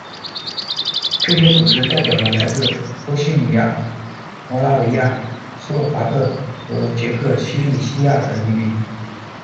这些组织代表了来自波希米亚、摩拉维亚、斯洛伐克和捷克西利西亚的移民。